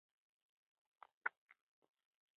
د عدالت د ټینګښت لپاره ځوانان هڅي کوي.